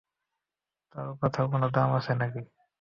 তোর কথার কোন দাম আছে না কী?